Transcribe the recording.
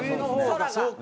空が。